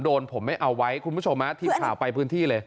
ผมไม่เอาไว้คุณผู้ชมฮะทีมข่าวไปพื้นที่เลย